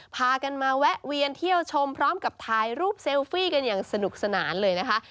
พากันมาแวะเวียนเที่ยวชมพร้อมกับถ่ายรูปเซลฟี่กันอย่างสนุกสนานเลยนะคะ